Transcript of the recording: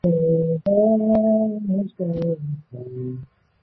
许多在瓦利埃和他们的继任者逃离海地的海地裔美国人也回国了。